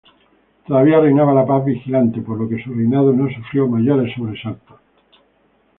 Todavía reinaba la Paz Vigilante, por lo que su reinado no sufrió mayores sobresaltos.